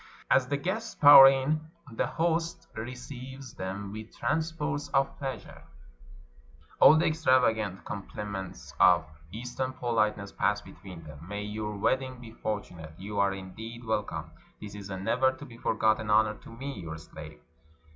As the guests pour in, the host receives them with transports of pleasure — all the extravagant compli ments of Eastern politeness pass between them. " May your wedding be fortunate!" ''You are, indeed, wel come; this is a never to be forgotten honor to me, your slave